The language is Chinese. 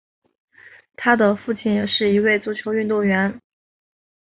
他的父亲也是一位足球运动员。